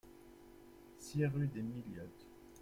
six rue des Milliottes